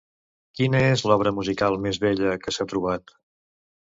Quina és l'obra musical més vella que s'ha trobat?